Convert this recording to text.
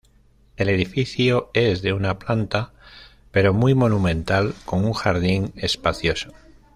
El edificio es de una planta, pero muy monumental, con un jardín espacioso.